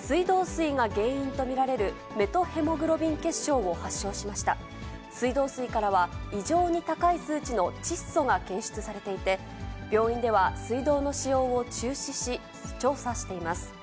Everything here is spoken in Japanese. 水道水からは異常に高い数値の窒素が検出されていて、病院では水道の使用を中止し、調査しています。